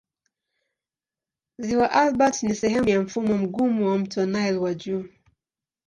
Ziwa Albert ni sehemu ya mfumo mgumu wa mto Nile wa juu.